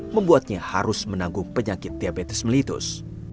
membuatnya harus menanggung penyakit diabetes melitus